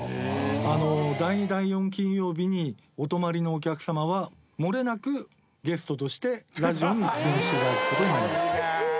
第２第４金曜日にお泊まりのお客様はもれなくゲストとしてラジオに出演して頂く事になります。